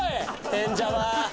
演者は。